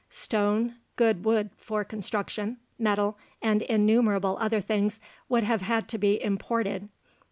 Stone, good wood for construction, metal, and innumerable other things would have had to be imported.